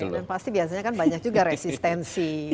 dan pasti biasanya kan banyak juga resistensi